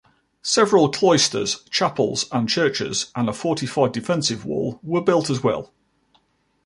Several cloisters, chapels and churches, and a fortified defensive wall were built as well.